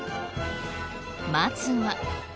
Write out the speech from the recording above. まずは。